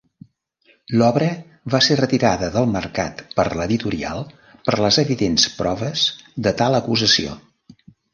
L'obra va ser retirada del mercat per l'editorial per les evidents proves de tal acusació.